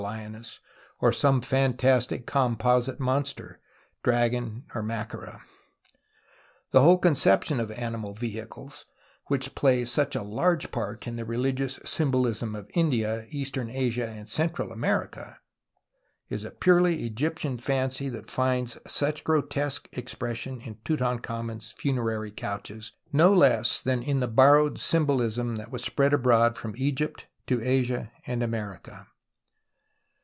lioness, or some fantastic composite monster, dragon or niakara. The whole conception of animal vehicles, which plays such a large part in the religious symbolism of India, Eastern Asia and Central America, is a purely Egyptian fancy that finds such grotesque expression in Tutankhamen's funerary couches, no less than 122 TUTANKHAMEN in tlie borrowed symbolism that was spread abroad from Egypt to Asia and America.